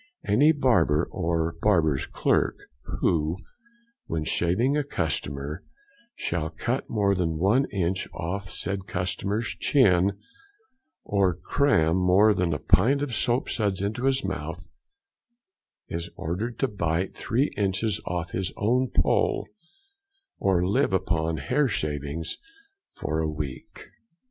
Any Barber, or barber's clerk, who when shaving a customer shall cut more than one inch off the said customer's chin, or cram more than a pint of soap suds into his mouth, is ordered to bite three inches off his own pole, or live upon hair shavings for a week.